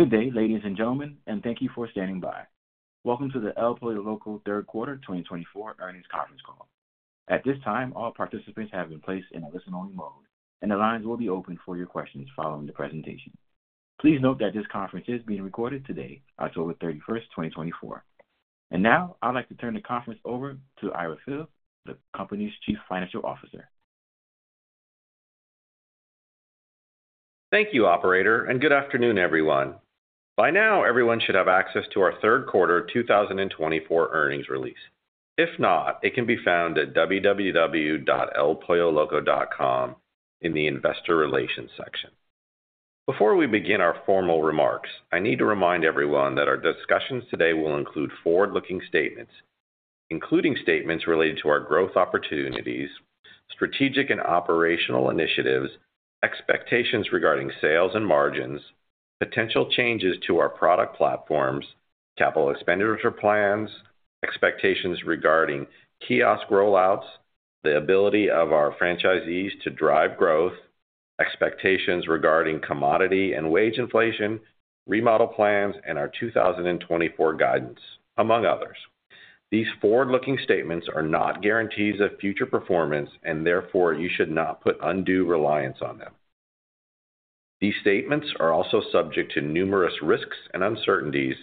Good day, ladies and gentlemen, and thank you for standing by. Welcome to the El Pollo Loco Third Quarter 2024 earnings conference call. At this time, all participants have been placed in a listen-only mode, and the lines will be open for your questions following the presentation. Please note that this conference is being recorded today, October 31st, 2024. And now, I'd like to turn the conference over to Ira Fils, the company's Chief Financial Officer. Thank you, Operator, and good afternoon, everyone. By now, everyone should have access to our third quarter 2024 earnings release. If not, it can be found at www.elpolloloco.com in the Investor Relations section. Before we begin our formal remarks, I need to remind everyone that our discussions today will include forward-looking statements, including statements related to our growth opportunities, strategic and operational initiatives, expectations regarding sales and margins, potential changes to our product platforms, capital expenditure plans, expectations regarding kiosk rollouts, the ability of our franchisees to drive growth, expectations regarding commodity and wage inflation, remodel plans, and our 2024 guidance, among others. These forward-looking statements are not guarantees of future performance, and therefore, you should not put undue reliance on them. These statements are also subject to numerous risks and uncertainties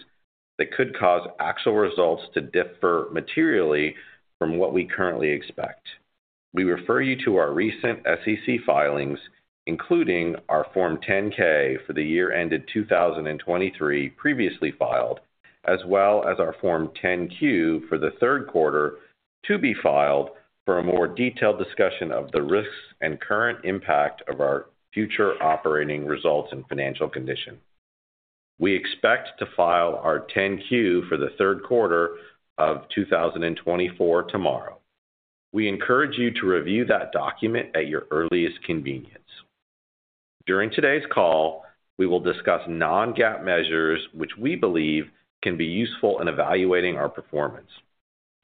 that could cause actual results to differ materially from what we currently expect. We refer you to our recent SEC filings, including our Form 10-K for the year ended 2023 previously filed, as well as our Form 10-Q for the third quarter to be filed for a more detailed discussion of the risks and current impact of our future operating results and financial condition. We expect to file our 10-Q for the third quarter of 2024 tomorrow. We encourage you to review that document at your earliest convenience. During today's call, we will discuss non-GAAP measures, which we believe can be useful in evaluating our performance.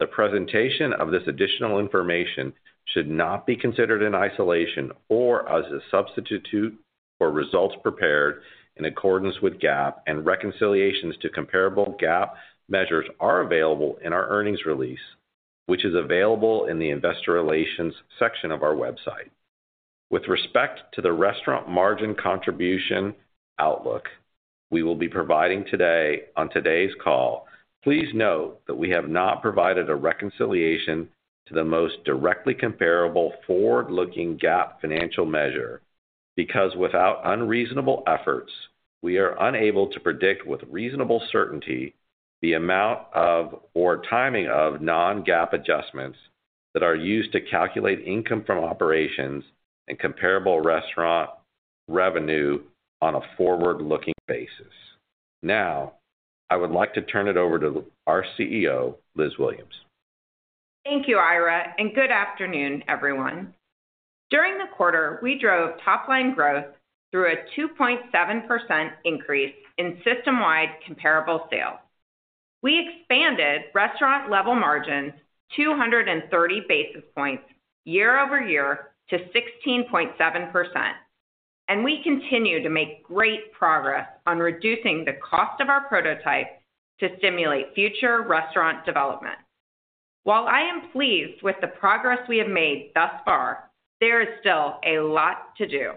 The presentation of this additional information should not be considered in isolation or as a substitute for results prepared in accordance with GAAP, and reconciliations to comparable GAAP measures are available in our earnings release, which is available in the Investor Relations section of our website. With respect to the restaurant margin contribution outlook we will be providing today on today's call, please note that we have not provided a reconciliation to the most directly comparable forward-looking GAAP financial measure because, without unreasonable efforts, we are unable to predict with reasonable certainty the amount of or timing of non-GAAP adjustments that are used to calculate income from operations and comparable restaurant revenue on a forward-looking basis. Now, I would like to turn it over to our CEO, Liz Williams. Thank you, Ira, and good afternoon, everyone. During the quarter, we drove top-line growth through a 2.7% increase in system-wide comparable sales. We expanded restaurant-level margins 230 basis points year-over-year to 16.7%, and we continue to make great progress on reducing the cost of our prototype to stimulate future restaurant development. While I am pleased with the progress we have made thus far, there is still a lot to do.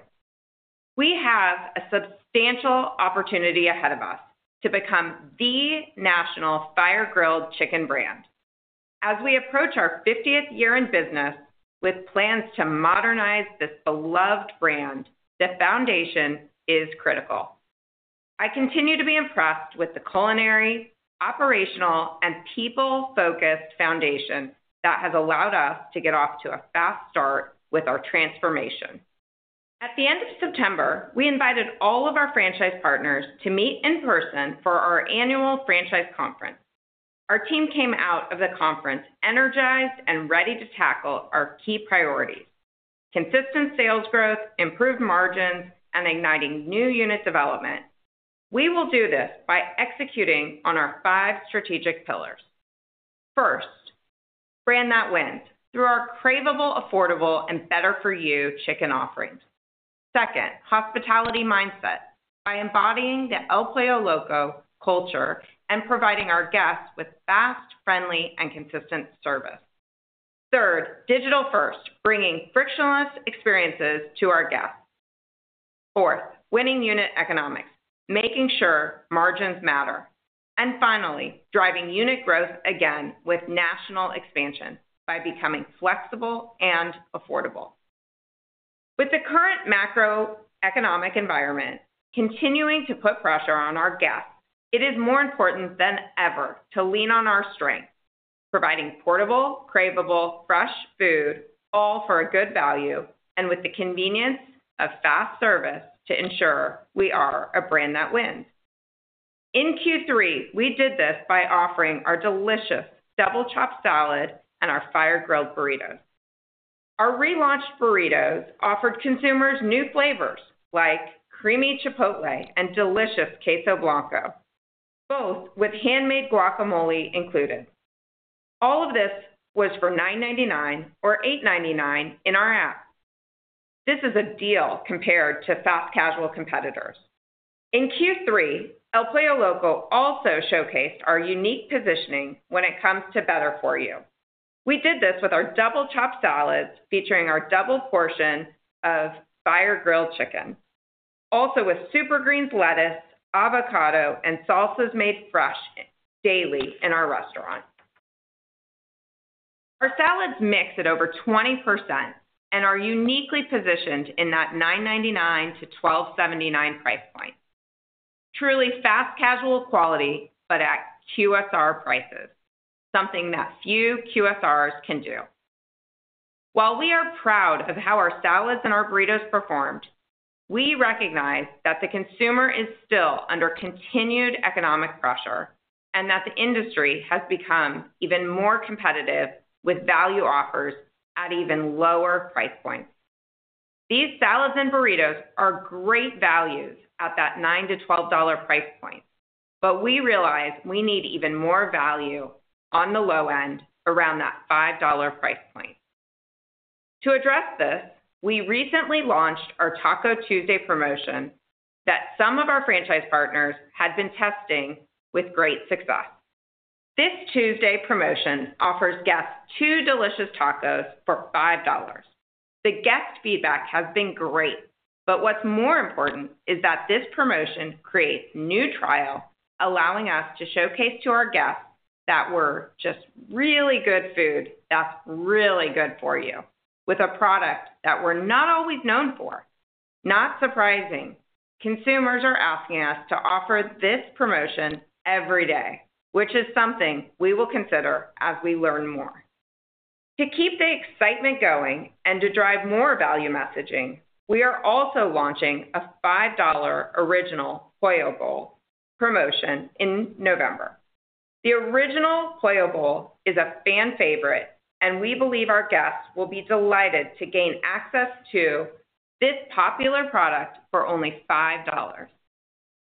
We have a substantial opportunity ahead of us to become the national fire-grilled chicken brand. As we approach our 50th year in business with plans to modernize this beloved brand, the foundation is critical. I continue to be impressed with the culinary, operational, and people-focused foundation that has allowed us to get off to a fast start with our transformation. At the end of September, we invited all of our franchise partners to meet in person for our annual franchise conference. Our team came out of the conference energized and ready to tackle our key priorities: consistent sales growth, improved margins, and igniting new unit development. We will do this by executing on our five strategic pillars. First, brand that wins through our craveable, affordable, and better-for-you chicken offerings. Second, hospitality mindset by embodying the El Pollo Loco culture and providing our guests with fast, friendly, and consistent service. Third, digital-first, bringing frictionless experiences to our guests. Fourth, winning unit economics, making sure margins matter. And finally, driving unit growth again with national expansion by becoming flexible and affordable. With the current macroeconomic environment continuing to put pressure on our guests, it is more important than ever to lean on our strengths, providing portable, craveable, fresh food, all for a good value, and with the convenience of fast service to ensure we are a brand that wins. In Q3, we did this by offering our delicious Double Chopped Salad and our fire-grilled burritos. Our relaunched burritos offered consumers new flavors like Creamy Chipotle and delicious Queso Blanco, both with handmade guacamole included. All of this was for $9.99 or $8.99 in our app. This is a deal compared to fast casual competitors. In Q3, El Pollo Loco also showcased our unique positioning when it comes to better-for-you. We did this with our Double Chopped Salads featuring our double portion of fire-grilled chicken, also Super Greens, lettuce, avocado, and salsas made fresh daily in our restaurant. Our salads mix at over 20% and are uniquely positioned in that $9.99-$12.79 price point. Truly fast casual quality, but at QSR prices, something that few QSRs can do. While we are proud of how our salads and our burritos performed, we recognize that the consumer is still under continued economic pressure and that the industry has become even more competitive with value offers at even lower price points. These salads and burritos are great values at that $9-$12 price point, but we realize we need even more value on the low end around that $5 price point. To address this, we recently launched our Taco Tuesday promotion that some of our franchise partners had been testing with great success. This Tuesday promotion offers guests two delicious tacos for $5. The guest feedback has been great, but what's more important is that this promotion creates new trial, allowing us to showcase to our guests that we're just really good food that's really good for you with a product that we're not always known for. Not surprising, consumers are asking us to offer this promotion every day, which is something we will consider as we learn more. To keep the excitement going and to drive more value messaging, we are also launching a $5 Original Pollo Loco promotion in November. The Original Pollo Loco is a fan favorite, and we believe our guests will be delighted to gain access to this popular product for only $5.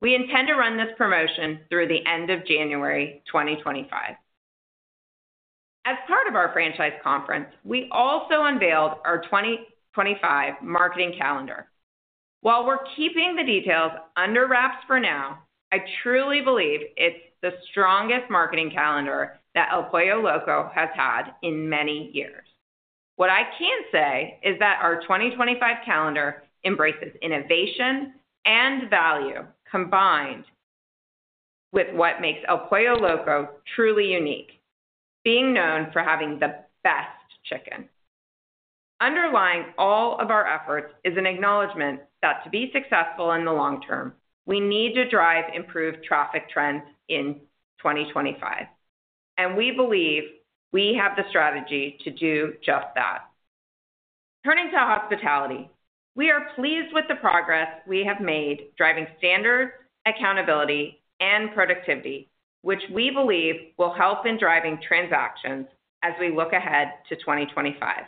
We intend to run this promotion through the end of January 2025. As part of our franchise conference, we also unveiled our 2025 marketing calendar. While we're keeping the details under wraps for now, I truly believe it's the strongest marketing calendar that El Pollo Loco has had in many years. What I can say is that our 2025 calendar embraces innovation and value combined with what makes El Pollo Loco truly unique, being known for having the best chicken. Underlying all of our efforts is an acknowledgment that to be successful in the long term, we need to drive improved traffic trends in 2025, and we believe we have the strategy to do just that. Turning to hospitality, we are pleased with the progress we have made, driving standards, accountability, and productivity, which we believe will help in driving transactions as we look ahead to 2025.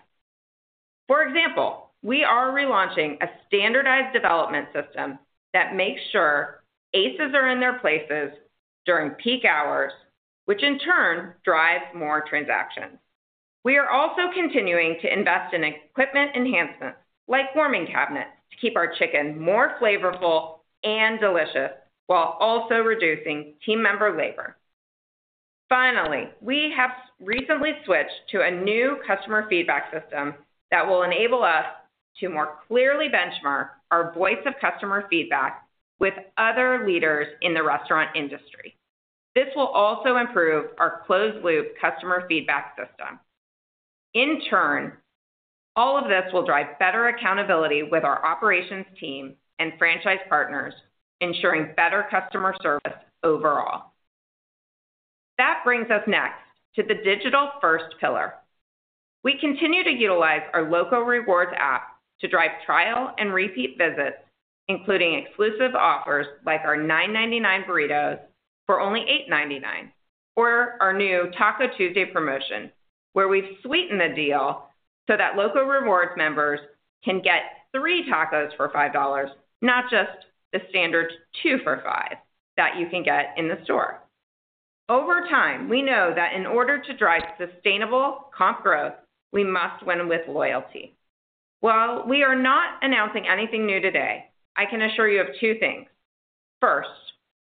For example, we are relaunching a standardized development system that makes sure aces are in their places during peak hours, which in turn drives more transactions. We are also continuing to invest in equipment enhancements like warming cabinets to keep our chicken more flavorful and delicious while also reducing team member labor. Finally, we have recently switched to a new customer feedback system that will enable us to more clearly benchmark our Voice of Customer feedback with other leaders in the restaurant industry. This will also improve our closed-loop customer feedback system. In turn, all of this will drive better accountability with our operations team and franchise partners, ensuring better customer service overall. That brings us next to the digital-first pillar. We continue to utilize our Loco Rewards app to drive trial and repeat visits, including exclusive offers like our $9.99 burritos for only $8.99 or our new Taco Tuesday promotion, where we've sweetened the deal so that Loco Rewards members can get three tacos for $5, not just the standard two for $5 that you can get in the store. Over time, we know that in order to drive sustainable comp growth, we must win with loyalty. While we are not announcing anything new today, I can assure you of two things. First,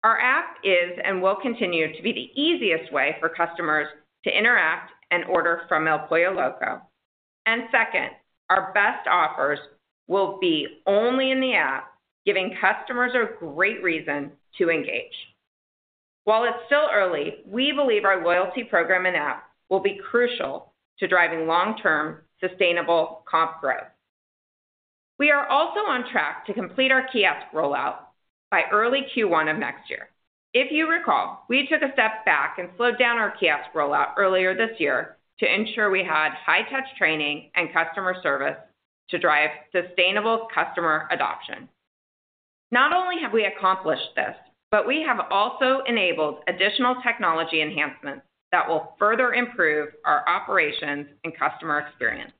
our app is and will continue to be the easiest way for customers to interact and order from El Pollo Loco. And second, our best offers will be only in the app, giving customers a great reason to engage. While it's still early, we believe our loyalty program and app will be crucial to driving long-term sustainable comp growth. We are also on track to complete our kiosk rollout by early Q1 of next year. If you recall, we took a step back and slowed down our kiosk rollout earlier this year to ensure we had high-touch training and customer service to drive sustainable customer adoption. Not only have we accomplished this, but we have also enabled additional technology enhancements that will further improve our operations and customer experience,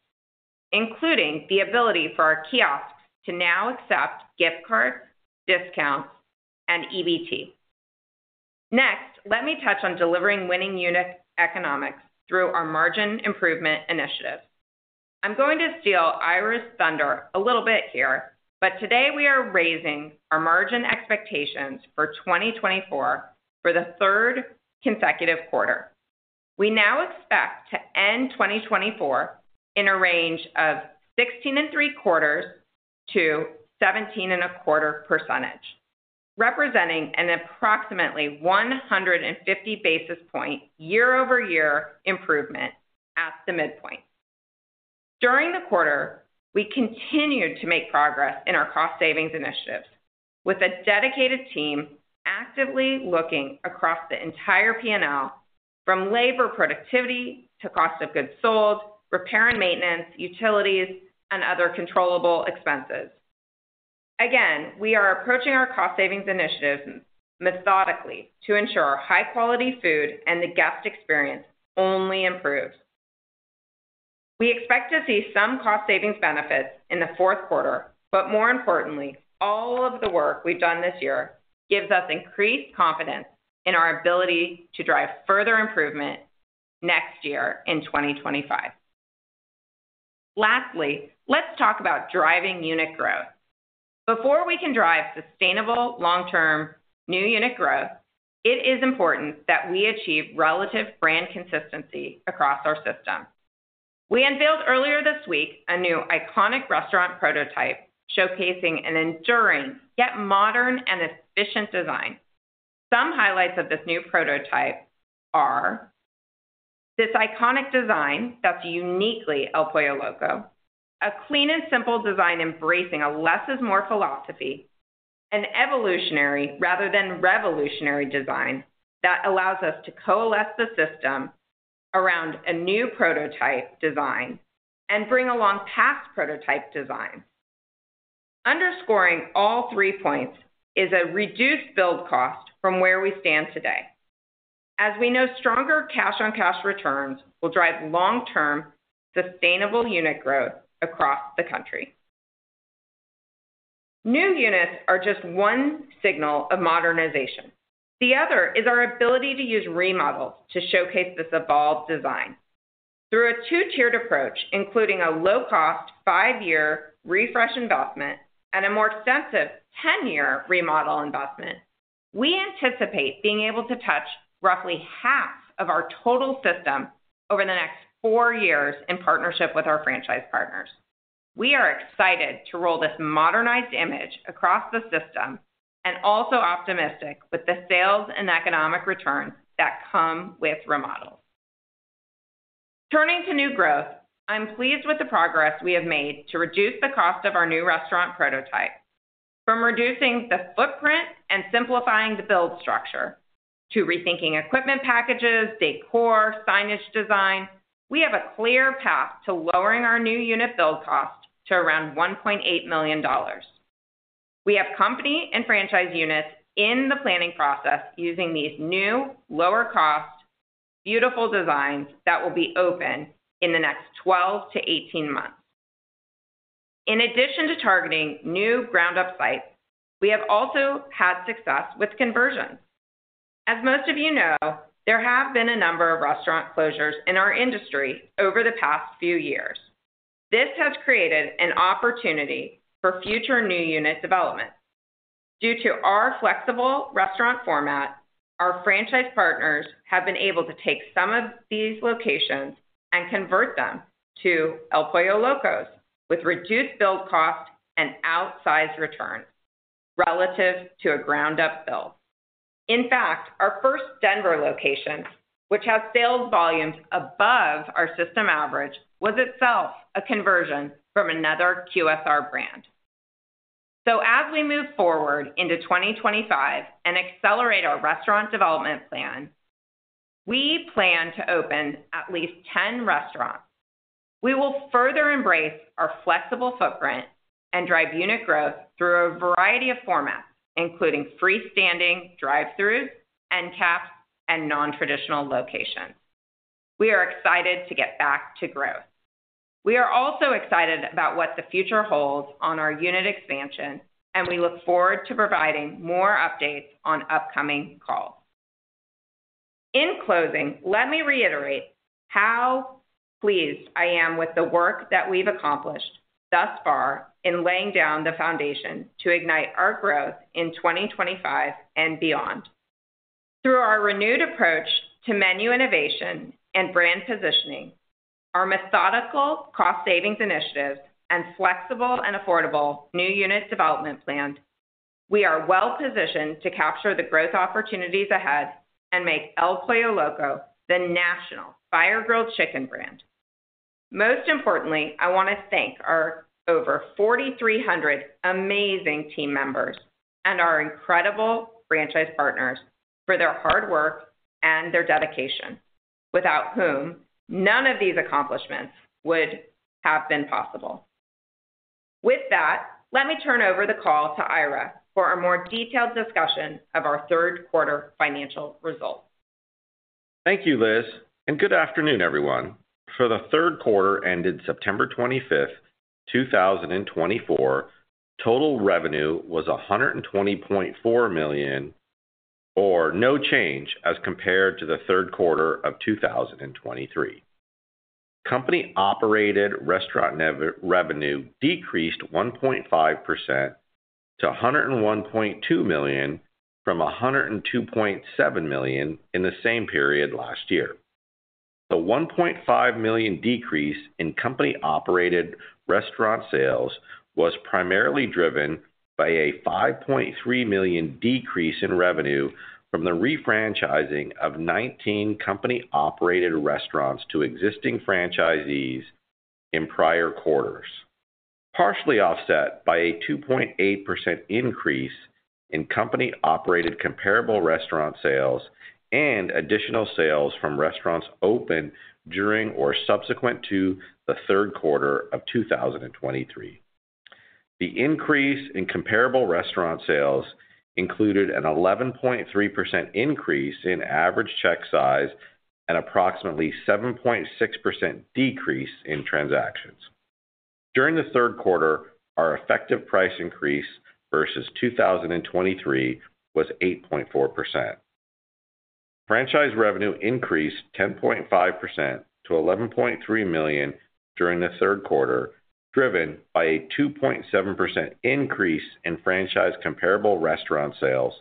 including the ability for our kiosks to now accept gift cards, discounts, and EBT. Next, let me touch on delivering winning unit economics through our margin improvement initiatives. I'm going to steal Ira's thunder a little bit here, but today we are raising our margin expectations for 2024 for the third consecutive quarter. We now expect to end 2024 in a range of 16.75%-17.25%, representing an approximately 150 basis points year-over-year improvement at the midpoint. During the quarter, we continued to make progress in our cost savings initiatives with a dedicated team actively looking across the entire P&L, from labor productivity to cost of goods sold, repair and maintenance, utilities, and other controllable expenses. Again, we are approaching our cost savings initiatives methodically to ensure high-quality food and the guest experience only improves. We expect to see some cost savings benefits in the fourth quarter, but more importantly, all of the work we've done this year gives us increased confidence in our ability to drive further improvement next year in 2025. Lastly, let's talk about driving unit growth. Before we can drive sustainable long-term new unit growth, it is important that we achieve relative brand consistency across our system. We unveiled earlier this week a new iconic restaurant prototype showcasing an enduring yet modern and efficient design. Some highlights of this new prototype are this iconic design that's uniquely El Pollo Loco, a clean and simple design embracing a less is more philosophy, an evolutionary rather than revolutionary design that allows us to coalesce the system around a new prototype design and bring along past prototype designs. Underscoring all three points is a reduced build cost from where we stand today, as we know stronger cash-on-cash returns will drive long-term sustainable unit growth across the country. New units are just one signal of modernization. The other is our ability to use remodels to showcase this evolved design. Through a two-tiered approach, including a low-cost five-year refresh investment and a more extensive 10-year remodel investment, we anticipate being able to touch roughly half of our total system over the next four years in partnership with our franchise partners. We are excited to roll this modernized image across the system and also optimistic with the sales and economic returns that come with remodels. Turning to new growth, I'm pleased with the progress we have made to reduce the cost of our new restaurant prototype. From reducing the footprint and simplifying the build structure to rethinking equipment packages, decor, signage design, we have a clear path to lowering our new unit build cost to around $1.8 million. We have company and franchise units in the planning process using these new, lower-cost, beautiful designs that will be open in the next 12-18 months. In addition to targeting new ground-up sites, we have also had success with conversions. As most of you know, there have been a number of restaurant closures in our industry over the past few years. This has created an opportunity for future new unit development. Due to our flexible restaurant format, our franchise partners have been able to take some of these locations and convert them to El Pollo Locos with reduced build cost and outsized returns relative to a ground-up build. In fact, our first Denver location, which has sales volumes above our system average, was itself a conversion from another QSR brand, so as we move forward into 2025 and accelerate our restaurant development plan, we plan to open at least 10 restaurants. We will further embrace our flexible footprint and drive unit growth through a variety of formats, including freestanding drive-throughs, end caps, and non-traditional locations. We are excited to get back to growth. We are also excited about what the future holds on our unit expansion, and we look forward to providing more updates on upcoming calls. In closing, let me reiterate how pleased I am with the work that we've accomplished thus far in laying down the foundation to ignite our growth in 2025 and beyond. Through our renewed approach to menu innovation and brand positioning, our methodical cost savings initiatives, and flexible and affordable new unit development plan, we are well-positioned to capture the growth opportunities ahead and make El Pollo Loco the national fire-grilled chicken brand. Most importantly, I want to thank our over 4,300 amazing team members and our incredible franchise partners for their hard work and their dedication, without whom none of these accomplishments would have been possible. With that, let me turn over the call to Ira for a more detailed discussion of our third quarter financial results. Thank you, Liz. And good afternoon, everyone. For the third quarter ended September 25th, 2024, total revenue was $120.4 million or no change as compared to the third quarter of 2023. Company operated restaurant revenue decreased 1.5% to $101.2 million from $102.7 million in the same period last year. The $1.5 million decrease in company operated restaurant sales was primarily driven by a $5.3 million decrease in revenue from the refranchising of 19 company operated restaurants to existing franchisees in prior quarters, partially offset by a 2.8% increase in company operated comparable restaurant sales and additional sales from restaurants opened during or subsequent to the third quarter of 2023. The increase in comparable restaurant sales included an 11.3% increase in average check size and approximately 7.6% decrease in transactions. During the third quarter, our effective price increase versus 2023 was 8.4%. Franchise revenue increased 10.5% to $11.3 million during the third quarter, driven by a 2.7% increase in franchise comparable restaurant sales,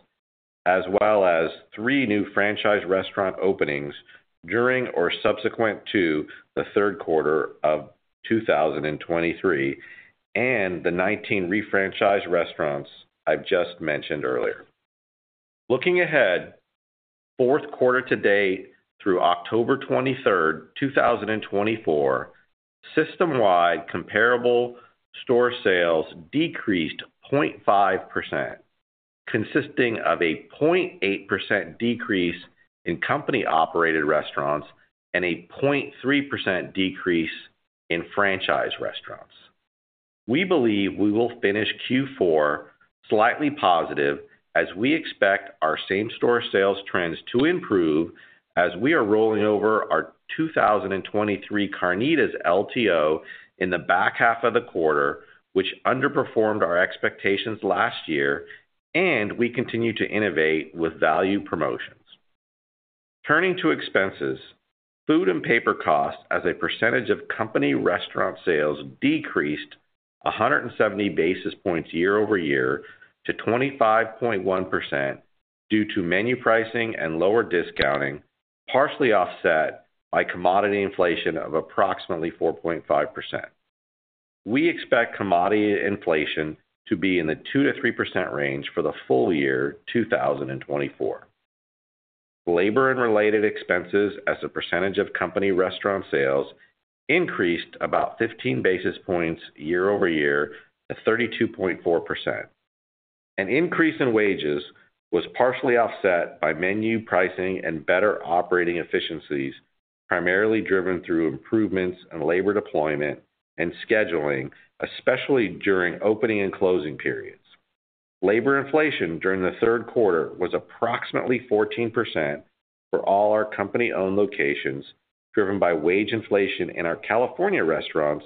as well as three new franchise restaurant openings during or subsequent to the third quarter of 2023 and the 19 refranchised restaurants I've just mentioned earlier. Looking ahead, fourth quarter to date through October 23rd, 2024, system-wide comparable store sales decreased 0.5%, consisting of a 0.8% decrease in company operated restaurants and a 0.3% decrease in franchise restaurants. We believe we will finish Q4 slightly positive as we expect our same store sales trends to improve as we are rolling over our 2023 Carnitas LTO in the back half of the quarter, which underperformed our expectations last year, and we continue to innovate with value promotions. Turning to expenses, food and paper costs as a percentage of company restaurant sales decreased 170 basis points year-over-year to 25.1% due to menu pricing and lower discounting, partially offset by commodity inflation of approximately 4.5%. We expect commodity inflation to be in the 2-3% range for the full year 2024. Labor and related expenses as a percentage of company restaurant sales increased about 15 basis points year-over-year to 32.4%. An increase in wages was partially offset by menu pricing and better operating efficiencies, primarily driven through improvements in labor deployment and scheduling, especially during opening and closing periods. Labor inflation during the third quarter was approximately 14% for all our company-owned locations, driven by wage inflation in our California restaurants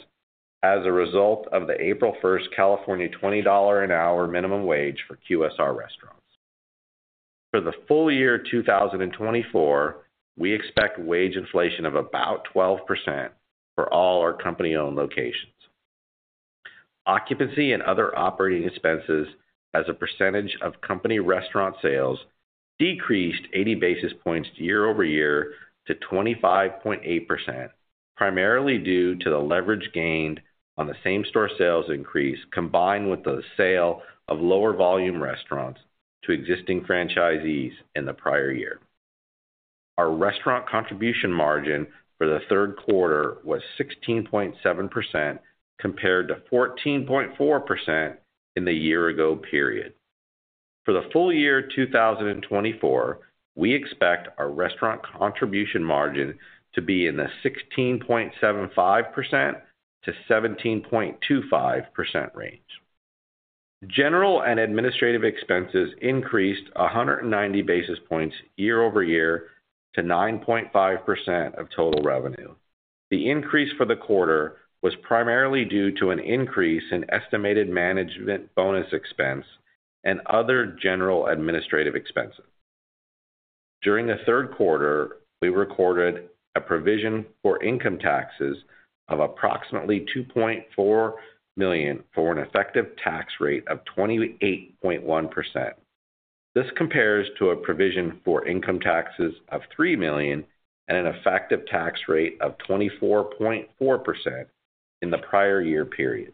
as a result of the April 1st California $20 an hour minimum wage for QSR restaurants. For the full year 2024, we expect wage inflation of about 12% for all our company-owned locations. Occupancy and other operating expenses as a percentage of company restaurant sales decreased 80 basis points year-over-year to 25.8%, primarily due to the leverage gained on the same store sales increase combined with the sale of lower volume restaurants to existing franchisees in the prior year. Our restaurant contribution margin for the third quarter was 16.7% compared to 14.4% in the year-ago period. For the full year 2024, we expect our restaurant contribution margin to be in the 16.75%-17.25% range. General and administrative expenses increased 190 basis points year-over-year to 9.5% of total revenue. The increase for the quarter was primarily due to an increase in estimated management bonus expense and other general administrative expenses. During the third quarter, we recorded a provision for income taxes of approximately $2.4 million for an effective tax rate of 28.1%. This compares to a provision for income taxes of $3 million and an effective tax rate of 24.4% in the prior year period.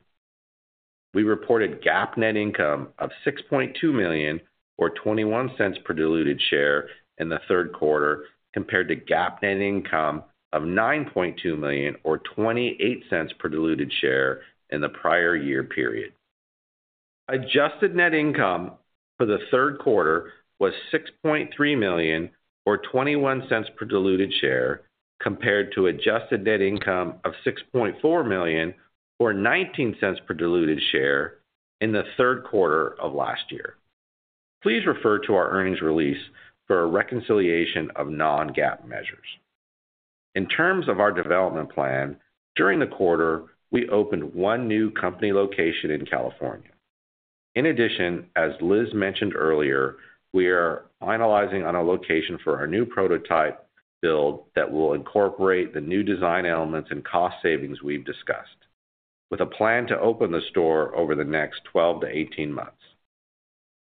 We reported GAAP net income of $6.2 million or $0.21 per diluted share in the third quarter compared to GAAP net income of $9.2 million or $0.28 per diluted share in the prior year period. Adjusted net income for the third quarter was $6.3 million or $0.21 per diluted share compared to adjusted net income of $6.4 million or $0.19 per diluted share in the third quarter of last year. Please refer to our earnings release for a reconciliation of non-GAAP measures. In terms of our development plan, during the quarter, we opened one new company location in California. In addition, as Liz mentioned earlier, we are finalizing on a location for our new prototype build that will incorporate the new design elements and cost savings we've discussed, with a plan to open the store over the next 12-18 months.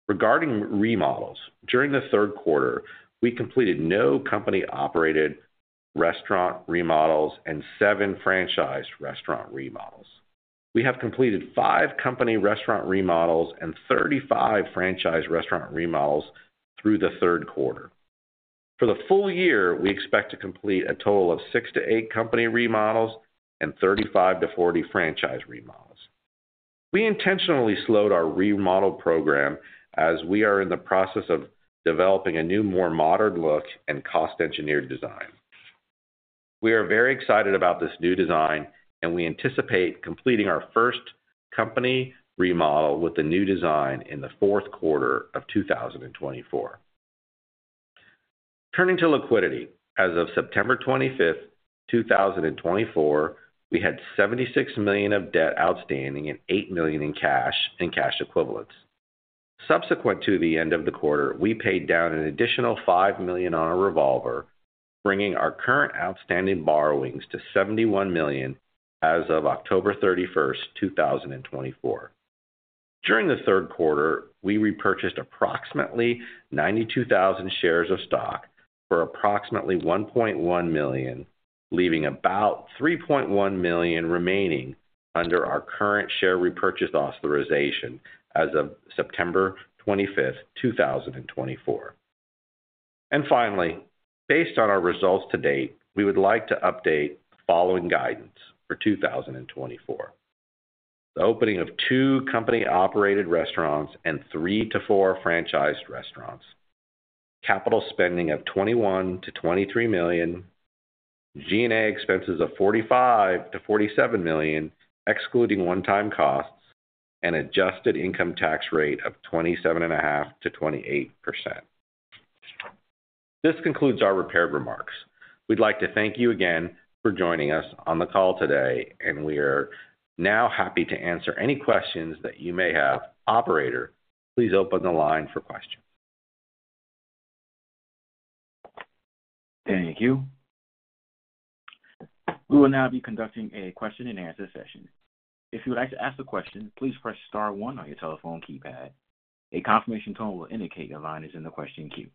Regarding remodels, during the third quarter, we completed no company-operated restaurant remodels and seven franchised restaurant remodels. We have completed five company restaurant remodels and 35 franchised restaurant remodels through the third quarter. For the full year, we expect to complete a total of six to eight company remodels and 35-40 franchise remodels. We intentionally slowed our remodel program as we are in the process of developing a new, more modern look and cost-engineered design. We are very excited about this new design, and we anticipate completing our first company remodel with the new design in the fourth quarter of 2024. Turning to liquidity, as of September 25th, 2024, we had $76 million of debt outstanding and $8 million in cash and cash equivalents. Subsequent to the end of the quarter, we paid down an additional $5 million on a revolver, bringing our current outstanding borrowings to $71 million as of October 31st, 2024. During the third quarter, we repurchased approximately 92,000 shares of stock for approximately $1.1 million, leaving about $3.1 million remaining under our current share repurchase authorization as of September 25th, 2024. And finally, based on our results to date, we would like to update the following guidance for 2024: the opening of two company operated restaurants and three to four franchised restaurants, capital spending of $21 million-$23 million, G&A expenses of $45 million-$47 million, excluding one-time costs, and adjusted income tax rate of 27.5%-28%. This concludes our prepared remarks. We'd like to thank you again for joining us on the call today, and we are now happy to answer any questions that you may have. Operator, please open the line for questions. Thank you. We will now be conducting a question-and-answer session. If you would like to ask a question, please press star one on your telephone keypad. A confirmation tone will indicate your line is in the question queue.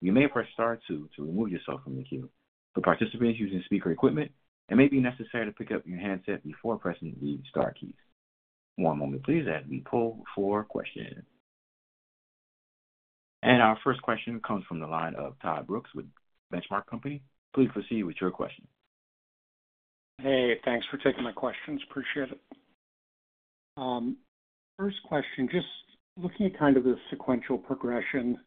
You may press star two to remove yourself from the queue. For participants using speaker equipment, it may be necessary to pick up your handset before pressing the Star keys. One moment, please, as we poll for questions. And our first question comes from the line of Todd Brooks with Benchmark Company. Please proceed with your question. Hey, thanks for taking my questions. Appreciate it. First question, just looking at kind of the sequential progression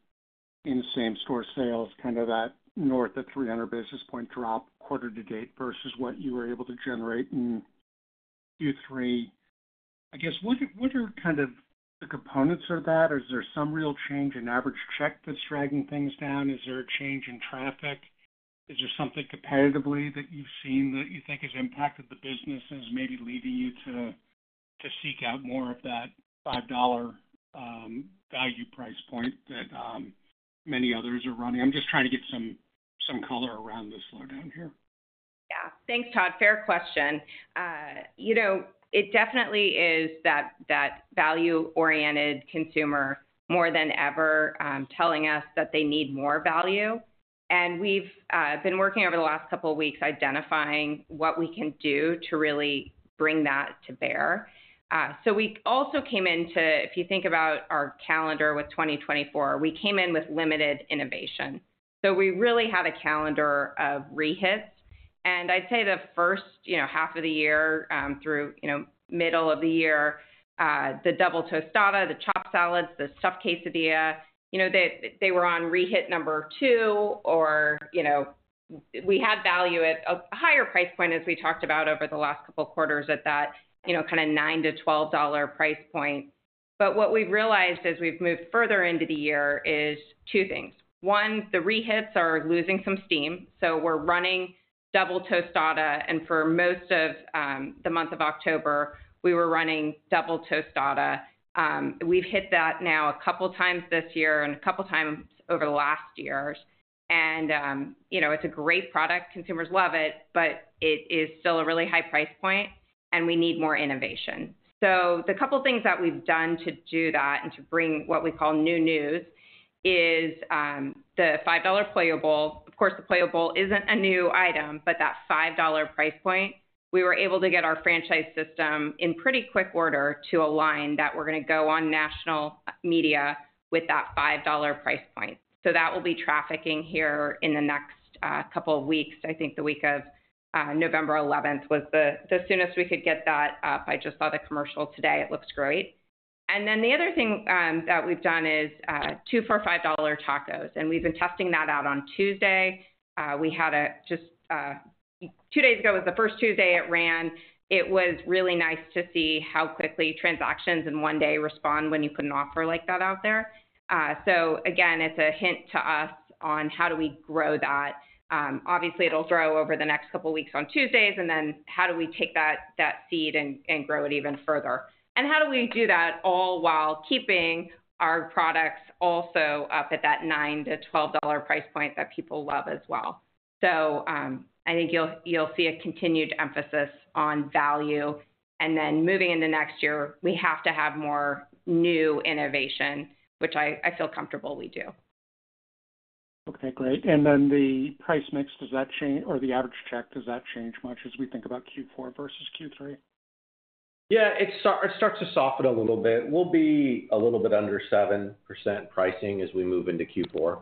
in the same store sales, kind of that north of 300 basis point drop quarter to date versus what you were able to generate in Q3. I guess, what are kind of the components of that? Is there some real change in average check that's dragging things down? Is there a change in traffic? Is there something competitively that you've seen that you think has impacted the business and is maybe leading you to seek out more of that $5 value price point that many others are running? I'm just trying to get some color around this slowdown here. Yeah. Thanks, Todd. Fair question. It definitely is that value-oriented consumer more than ever telling us that they need more value. We've been working over the last couple of weeks identifying what we can do to really bring that to bear. So we also came into, if you think about our calendar with 2024, we came in with limited innovation. So we really had a calendar of re-hits. And I'd say the first half of the year through middle of the year, the Double Tostada, the chopped salads, Stuffed Quesadilla, they were on re-hit number two, or we had value at a higher price point, as we talked about over the last couple of quarters at that kind of $9-$12 price point. But what we've realized as we've moved further into the year is two things. One, the re-hits are losing some steam. So we're running Double Tostada, and for most of the month of October, we were running Double Tostada. We've hit that now a couple of times this year and a couple of times over the last years. It's a great product. Consumers love it, but it is still a really high price point, and we need more innovation. The couple of things that we've done to do that and to bring what we call new news is the $5 Pollo Bowl. Of course, the Pollo Bowl isn't a new item, but that $5 price point, we were able to get our franchise system in pretty quick order to align that we're going to go on national media with that $5 price point. That will be trafficking here in the next couple of weeks. I think the week of November 11th was the soonest we could get that up. I just saw the commercial today. It looks great. And then the other thing that we've done is two for $5 tacos. And we've been testing that out on Tuesday. We had a just two days ago was the first Tuesday it ran. It was really nice to see how quickly transactions in one day respond when you put an offer like that out there. So again, it's a hint to us on how do we grow that. Obviously, it'll grow over the next couple of weeks on Tuesdays, and then how do we take that seed and grow it even further? And how do we do that all while keeping our products also up at that $9-$12 price point that people love as well? So I think you'll see a continued emphasis on value. And then moving into next year, we have to have more new innovation, which I feel comfortable we do. Okay, great. And then the price mix, does that change, or the average check, does that change much as we think about Q4 versus Q3? Yeah, it starts to soften a little bit. We'll be a little bit under 7% pricing as we move into Q4.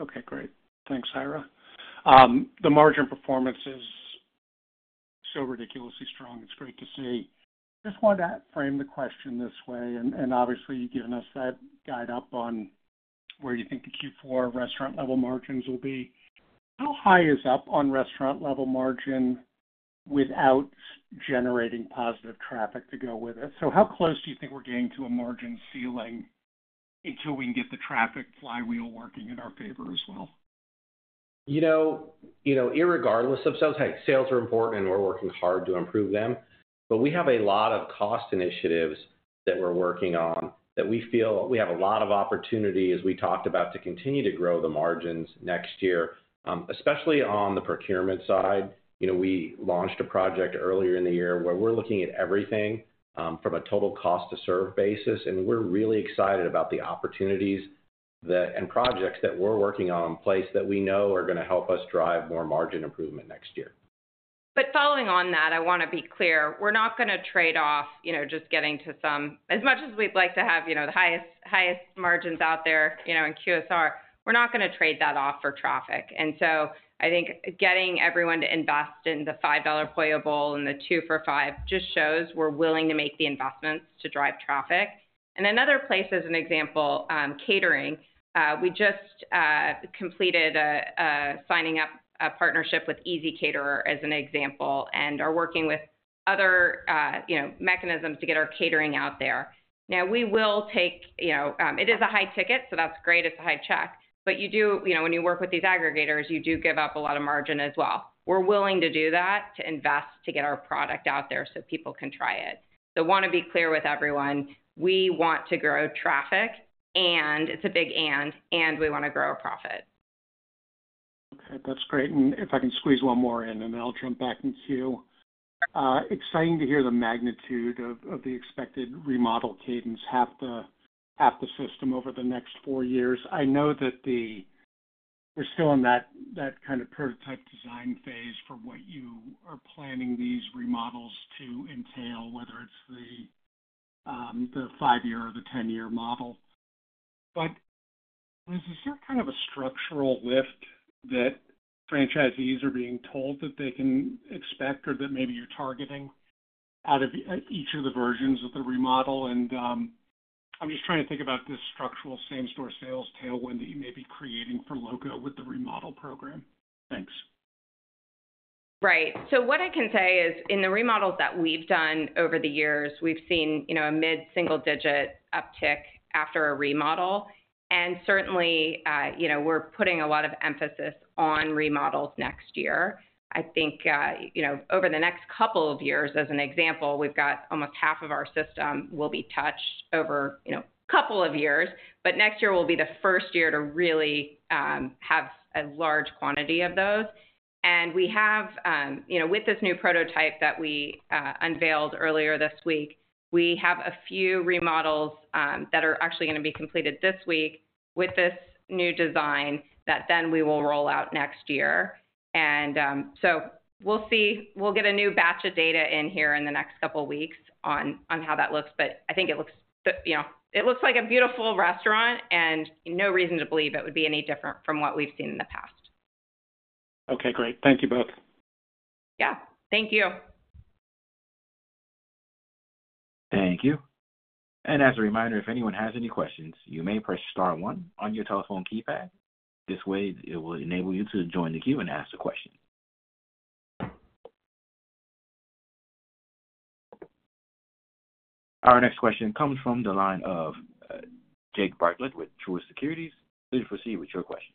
Okay, great. Thanks, Ira. The margin performance is so ridiculously strong. It's great to see. Just wanted to frame the question this way. And obviously, you've given us that guide up on where you think the Q4 restaurant-level margins will be. How high is up on restaurant-level margin without generating positive traffic to go with it? So how close do you think we're getting to a margin ceiling until we can get the traffic flywheel working in our favor as well? Irregardless of sales, hey, sales are important, and we're working hard to improve them. But we have a lot of cost initiatives that we're working on that we feel we have a lot of opportunity, as we talked about, to continue to grow the margins next year, especially on the procurement side. We launched a project earlier in the year where we're looking at everything from a total cost-to-serve basis. And we're really excited about the opportunities and projects that we're working on in place that we know are going to help us drive more margin improvement next year. But following on that, I want to be clear. We're not going to trade off just getting to some, as much as we'd like to have the highest margins out there in QSR. We're not going to trade that off for traffic. And so I think getting everyone to invest in the $5 Pollo Bowl and the two for $5 just shows we're willing to make the investments to drive traffic. And another place, as an example, catering. We just completed a sign-up partnership with ezCater, as an example, and are working with other mechanisms to get our catering out there. Now, we'll take it as a high ticket, so that's great. It's a high check. But when you work with these aggregators, you do give up a lot of margin as well. We're willing to do that, to invest, to get our product out there so people can try it. So I want to be clear with everyone. We want to grow traffic and profit. Okay, that's great. If I can squeeze one more in, and then I'll jump back in queue. Exciting to hear the magnitude of the expected remodel cadence, half the system over the next four years. I know that we're still in that kind of prototype design phase for what you are planning these remodels to entail, whether it's the five-year or the 10-year model. Is there kind of a structural lift that franchisees are being told that they can expect or that maybe you're targeting out of each of the versions of the remodel? And I'm just trying to think about this structural same-store sales tailwind that you may be creating for Loco with the remodel program. Thanks. Right. What I can say is, in the remodels that we've done over the years, we've seen a mid-single-digit uptick after a remodel. And certainly, we're putting a lot of emphasis on remodels next year. I think over the next couple of years, as an example, we've got almost half of our system will be touched over a couple of years. But next year will be the first year to really have a large quantity of those. And we have, with this new prototype that we unveiled earlier this week, we have a few remodels that are actually going to be completed this week with this new design that then we will roll out next year. And so we'll see. We'll get a new batch of data in here in the next couple of weeks on how that looks. But I think it looks like a beautiful restaurant, and no reason to believe it would be any different from what we've seen in the past. Okay, great. Thank you both. Yeah. Thank you. Thank you. And as a reminder, if anyone has any questions, you may press star one on your telephone keypad. This way, it will enable you to join the queue and ask a question. Our next question comes from the line of Jake Bartlett with Truist Securities. Please proceed with your question.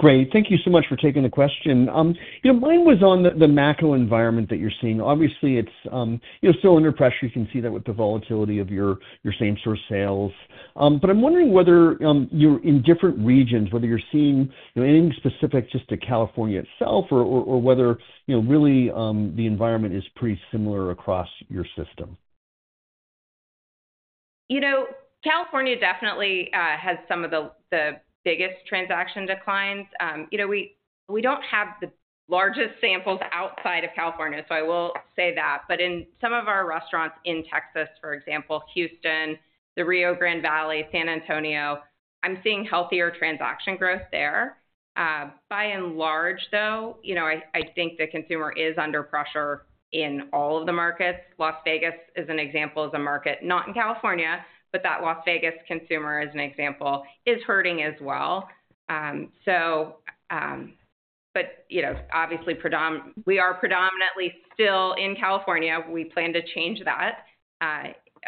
Great. Thank you so much for taking the question. Mine was on the macro environment that you're seeing. Obviously, it's still under pressure. You can see that with the volatility of your same-store sales. But I'm wondering whether you're in different regions, whether you're seeing anything specific just to California itself, or whether really the environment is pretty similar across your system. California definitely has some of the biggest transaction declines. We don't have the largest samples outside of California, so I will say that. But in some of our restaurants in Texas, for example, Houston, the Rio Grande Valley, San Antonio, I'm seeing healthier transaction growth there. By and large, though, I think the consumer is under pressure in all of the markets. Las Vegas, as an example, is a market not in California, but that Las Vegas consumer, as an example, is hurting as well. But obviously, we are predominantly still in California. We plan to change that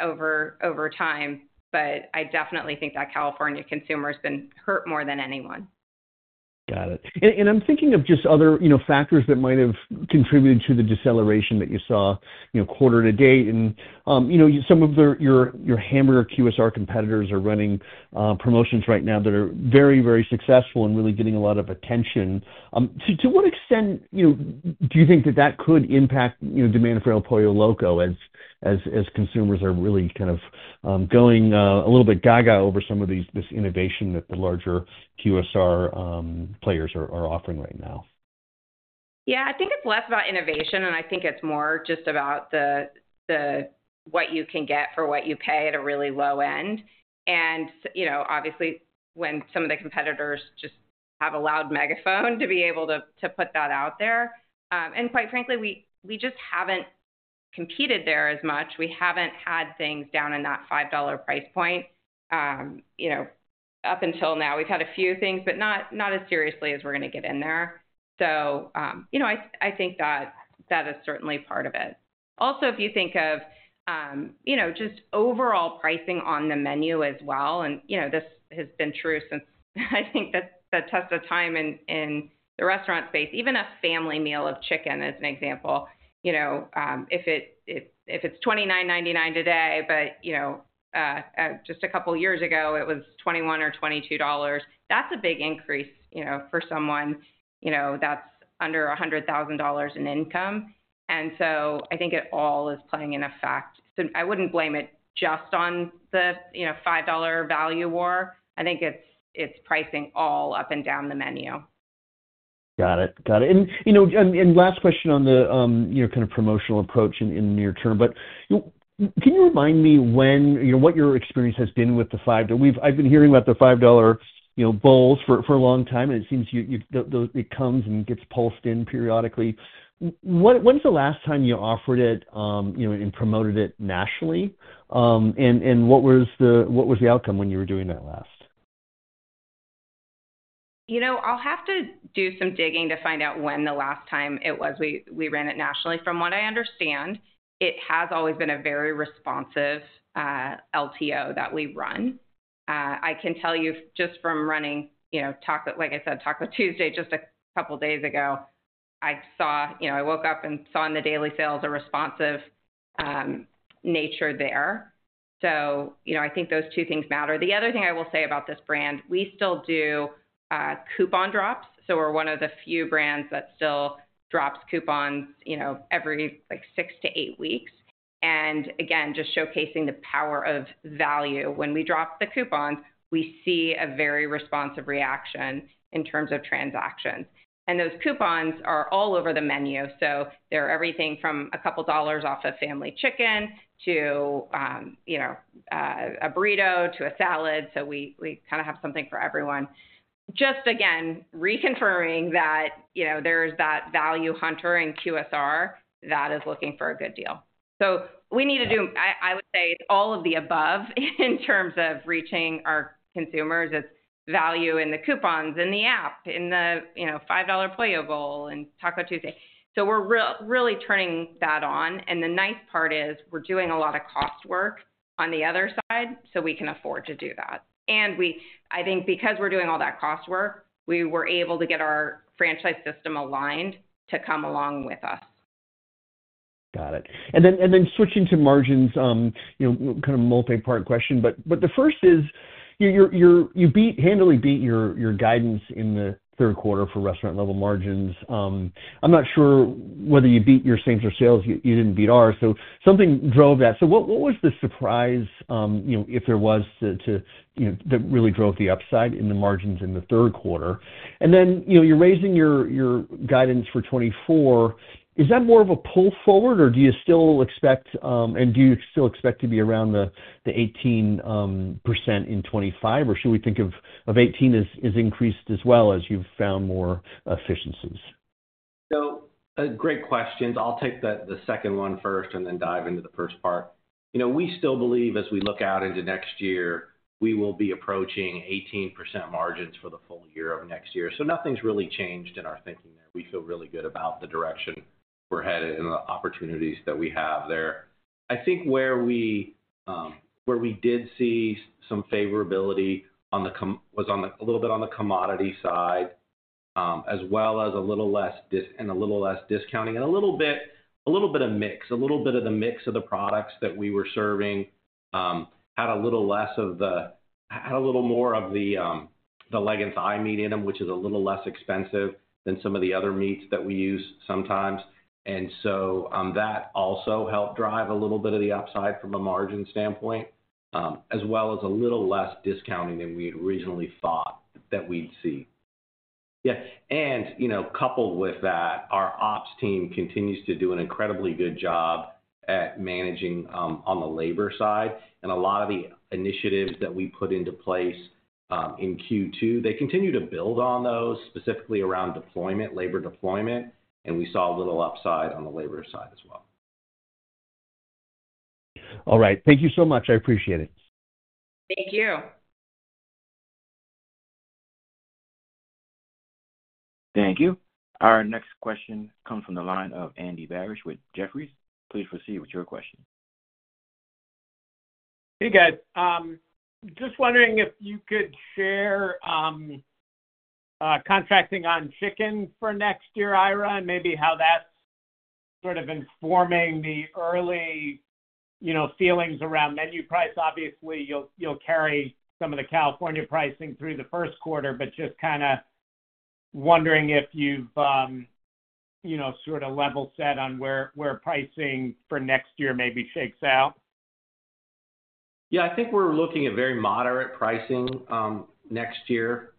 over time. But I definitely think that California consumer has been hurt more than anyone. Got it. And I'm thinking of just other factors that might have contributed to the deceleration that you saw quarter to date. And some of your hamburger QSR competitors are running promotions right now that are very, very successful and really getting a lot of attention. To what extent do you think that that could impact demand for El Pollo Loco as consumers are really kind of going a little bit gaga over some of this innovation that the larger QSR players are offering right now? Yeah, I think it's less about innovation, and I think it's more just about what you can get for what you pay at a really low end. And obviously, when some of the competitors just have a loud megaphone to be able to put that out there. And quite frankly, we just haven't competed there as much. We haven't had things down in that $5 price point. Up until now, we've had a few things, but not as seriously as we're going to get in there. So I think that is certainly part of it. Also, if you think of just overall pricing on the menu as well, and this has been true since I think the test of time in the restaurant space, even a family meal of chicken, as an example, if it's $29.99 today, but just a couple of years ago, it was $21 or $22, that's a big increase for someone that's under $100,000 in income. And so I think it all is playing in effect. So I wouldn't blame it just on the $5 value war. I think it's pricing all up and down the menu. Got it. Got it. And last question on the kind of promotional approach in the near term. But can you remind me what your experience has been with the $5? I've been hearing about the $5 bowls for a long time, and it seems it comes and gets pulsed in periodically. When's the last time you offered it and promoted it nationally? And what was the outcome when you were doing that last? I'll have to do some digging to find out when the last time it was we ran it nationally. From what I understand, it has always been a very responsive LTO that we run. I can tell you just from running, like I said, Taco Tuesday just a couple of days ago, I woke up and saw in the daily sales a responsive nature there. So I think those two things matter. The other thing I will say about this brand, we still do coupon drops. So we're one of the few brands that still drops coupons every six-to-eight weeks. And again, just showcasing the power of value. When we drop the coupons, we see a very responsive reaction in terms of transactions. And those coupons are all over the menu. So they're everything from a couple of dollars off a family chicken to a burrito to a salad. So we kind of have something for everyone. Just again, reconfirming that there's that value hunter in QSR that is looking for a good deal. So we need to do, I would say, all of the above in terms of reaching our consumers. It's value in the coupons, in the app, in the $5 Pollo Bowl and Taco Tuesday. So we're really turning that on. And the nice part is we're doing a lot of cost work on the other side, so we can afford to do that. And I think because we're doing all that cost work, we were able to get our franchise system aligned to come along with us. Got it. And then switching to margins, kind of multi-part question. But the first is you handily beat your guidance in the third quarter for restaurant-level margins. I'm not sure whether you beat your same-store sales. You didn't beat ours. So something drove that. So what was the surprise, if there was, that really drove the upside in the margins in the third quarter? And then you're raising your guidance for 2024. Is that more of a pull forward, or do you still expect, and do you still expect to be around the 18% in 2025, or should we think of 18% as increased as well as you've found more efficiencies? So great questions. I'll take the second one first and then dive into the first part. We still believe, as we look out into next year, we will be approaching 18% margins for the full year of next year. So nothing's really changed in our thinking there. We feel really good about the direction we're headed and the opportunities that we have there. I think where we did see some favorability was a little bit on the commodity side, as well as a little less and a little less discounting, and a little bit of mix, a little bit of the mix of the products that we were serving had a little less of the had a little more of the leg meat in them, which is a little less expensive than some of the other meats that we use sometimes. And so that also helped drive a little bit of the upside from a margin standpoint, as well as a little less discounting than we originally thought that we'd see. Yeah. And coupled with that, our ops team continues to do an incredibly good job at managing on the labor side. A lot of the initiatives that we put into place in Q2, they continue to build on those, specifically around labor deployment. And we saw a little upside on the labor side as well. All right. Thank you so much. I appreciate it. Thank you. Thank you. Our next question comes from the line of Andy Barish with Jefferies. Please proceed with your question. Hey, guys. Just wondering if you could share contracting on chicken for next year, Ira, and maybe how that's sort of informing the early feelings around menu price. Obviously, you'll carry some of the California pricing through the first quarter, but just kind of wondering if you've sort of level set on where pricing for next year maybe shakes out. Yeah, I think we're looking at very moderate pricing next year,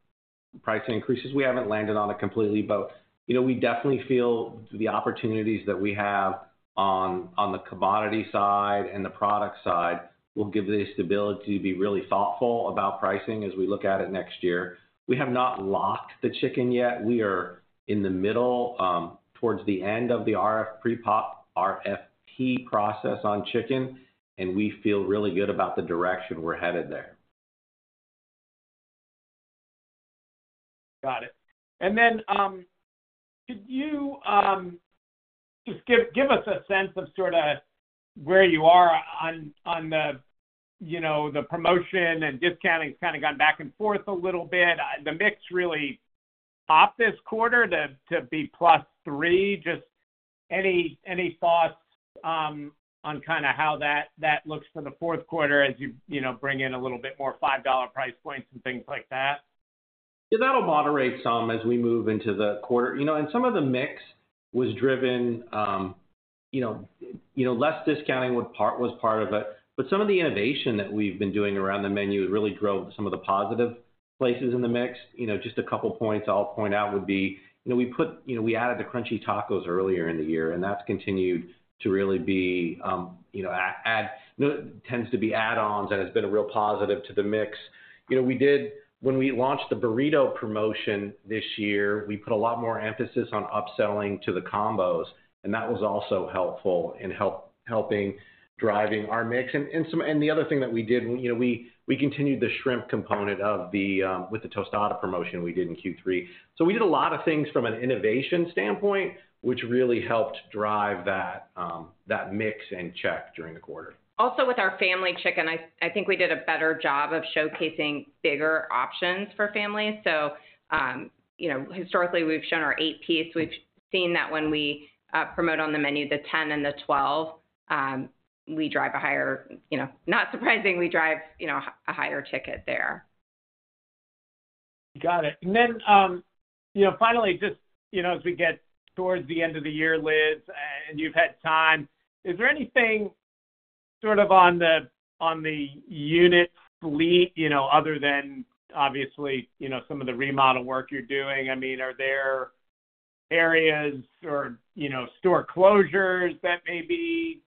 price increases. We haven't landed on it completely, but we definitely feel the opportunities that we have on the commodity side and the product side will give the stability to be really thoughtful about pricing as we look at it next year. We have not locked the chicken yet. We are in the middle towards the end of the RFP process on chicken, and we feel really good about the direction we're headed there. Got it. And then could you just give us a sense of sort of where you are on the promotion and discounting has kind of gone back and forth a little bit? The mix really popped this quarter to be plus three. Just any thoughts on kind of how that looks for the fourth quarter as you bring in a little bit more $5 price points and things like that? Yeah, that'll moderate some as we move into the quarter. And some of the mix was driven by less discounting, which was part of it. But some of the innovation that we've been doing around the menu really drove some of the positive places in the mix. Just a couple of points I'll point out would be we added the Crunchy Tacos earlier in the year, and that's continued to really be, tends to be add-ons and has been a real positive to the mix. When we launched the burrito promotion this year, we put a lot more emphasis on upselling to the combos, and that was also helpful in driving our mix. And the other thing that we did, we continued the shrimp component with the tostada promotion we did in Q3. So we did a lot of things from an innovation standpoint, which really helped drive that mix and check during the quarter. Also with our family chicken, I think we did a better job of showcasing bigger options for families. So historically, we've shown our eight-piece. We've seen that when we promote on the menu, the 10 and the 12, we drive a higher, not surprising, we drive a higher ticket there. Got it. And then finally, just as we get towards the end of the year, Liz, and you've had time, is there anything sort of on the unit fleet other than obviously some of the remodel work you're doing? I mean, are there areas or store closures that maybe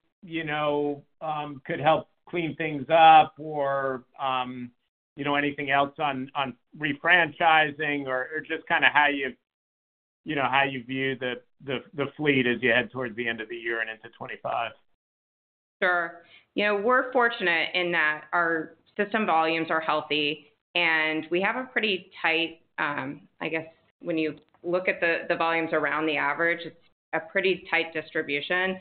could help clean things up or anything else on refranchising or just kind of how you view the fleet as you head towards the end of the year and into 2025? Sure. We're fortunate in that our system volumes are healthy, and we have a pretty tight, I guess, when you look at the volumes around the average, it's a pretty tight distribution.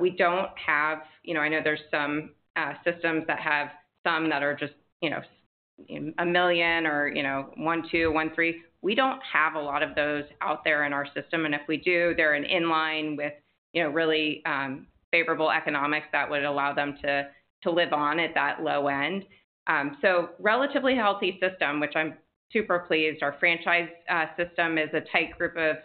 We don't have. I know there's some systems that have some that are just a million or one, two, one, three. We don't have a lot of those out there in our system. And if we do, they're in line with really favorable economics that would allow them to live on at that low end. So relatively healthy system, which I'm super pleased. Our franchise system is a tight group of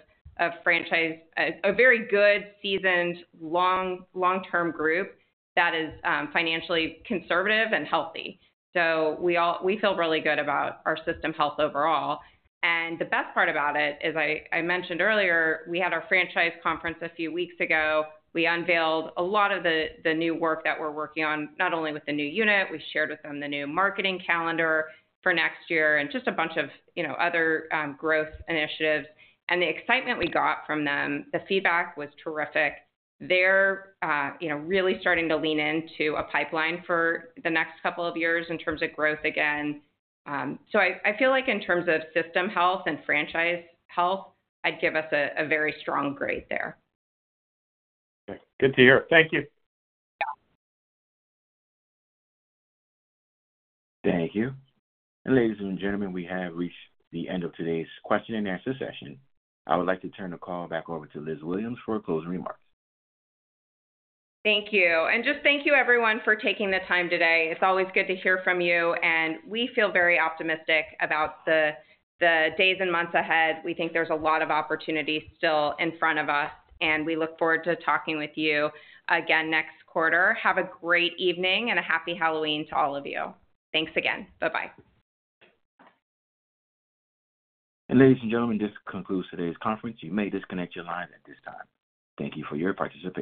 franchisees, a very good seasoned long-term group that is financially conservative and healthy. So we feel really good about our system health overall. And the best part about it, as I mentioned earlier, we had our franchise conference a few weeks ago. We unveiled a lot of the new work that we're working on, not only with the new unit. We shared with them the new marketing calendar for next year and just a bunch of other growth initiatives. And the excitement we got from them, the feedback was terrific. They're really starting to lean into a pipeline for the next couple of years in terms of growth again. So I feel like in terms of system health and franchise health, I'd give us a very strong grade there. Good to hear. Thank you. Thank you. And ladies and gentlemen, we have reached the end of today's question and answer session. I would like to turn the call back over to Liz Williams for closing remarks. Thank you. And just thank you, everyone, for taking the time today. It's always good to hear from you, and we feel very optimistic about the days and months ahead. We think there's a lot of opportunity still in front of us, and we look forward to talking with you again next quarter. Have a great evening and a happy Halloween to all of you. Thanks again. Bye-bye. And ladies and gentlemen, this concludes today's conference. You may disconnect your line at this time. Thank you for your participation.